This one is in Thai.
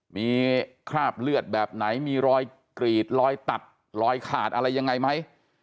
มีคราบเลือดแบบไหนมีรอยกรีดรอยตัดรอยขาดอะไรยังไงไหม